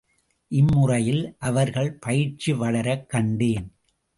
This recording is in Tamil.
இம்முறையில், அவர்கள் பயிற்சி வளரக் கண்டேன்.